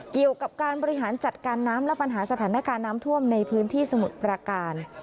เกี่ยวกับการบริหารจัดการน้ำและปัญหาสถานการณ์น้ำท่วมในพื้นที่สมุทรประการ